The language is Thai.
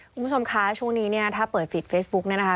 คุณผู้ชมคะช่วงนี้เนี่ยถ้าเปิดฟิตเฟซบุ๊กเนี่ยนะคะ